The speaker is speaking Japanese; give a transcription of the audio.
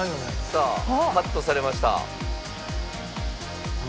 さあカットされました。